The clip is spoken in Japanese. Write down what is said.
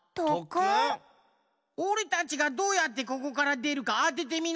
おれたちがどうやってここからでるかあててみな！